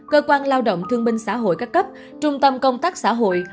cơ quan lao động thương minh xã hội các cấp trung tâm công tác xã hội